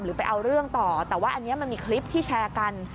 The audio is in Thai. ไปเอาเรื่องต่อแต่ว่าอันนี้มันมีคลิปที่แชร์กัน